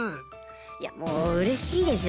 いやもううれしいですよ